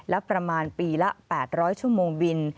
และประมาณปีละ๘๐๐ชั่วโมงบิน